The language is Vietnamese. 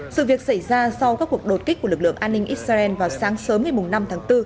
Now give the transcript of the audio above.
sự việc xảy ra sau các cuộc đột kích của lực lượng an ninh israel vào sáng sớm ngày năm tháng bốn